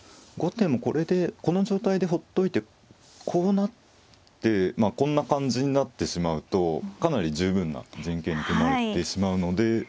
後手もこれでこの状態でほっといてこうなってこんな感じになってしまうとかなり十分な陣形に組まれてしまうので。